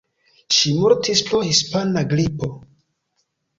Ŝi mortis pro hispana gripo.